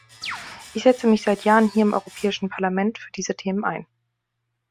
Ich setze mich seit Jahren hier im Europäischen Parlament für diese Themen ein.